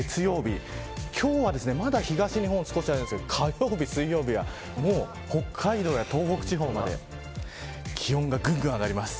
今日はまだ東日本少しあれなんですが火曜日、水曜日は北海道や東北地方まで気温がぐんぐん上がります。